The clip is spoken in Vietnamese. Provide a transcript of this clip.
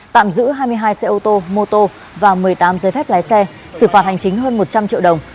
tạm giữ hai mươi hai xe ô tô mô tô và một mươi tám giới phép lái xe xử phạt hành chính hơn một trăm linh triệu đồng